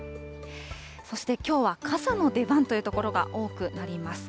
そしてきょうは傘の出番という所が多くなります。